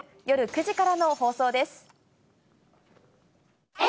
夜９時からの放送です。